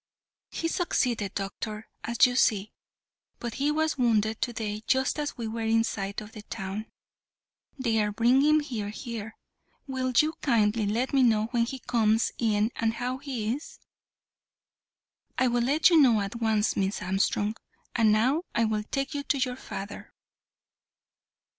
"He succeeded, doctor, as you see; but he was wounded to day just as we were in sight of the town. They are bringing him here. Will you kindly let me know when he comes in and how he is?" "I will let you know at once, Miss Armstrong; and now I will take you to your father."